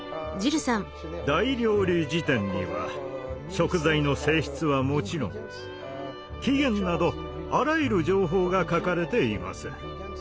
「大料理事典」には食材の性質はもちろん起源などあらゆる情報が書かれています。